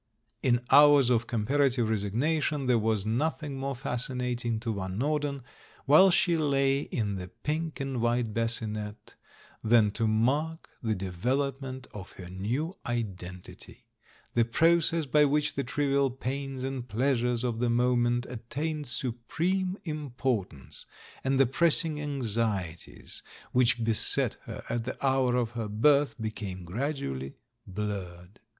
In hours of comparative resignation there was nothing more fascinating to Van Norden, while she lay in the pink and white bassinette, than to mark the development of her new identity — the process by which the trivial pains and pleasures of the moment attained supreme importance, and the pressing anxieties which beset her at the hour of her birth became gradually blurred.